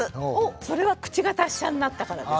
それは口が達者になったからです。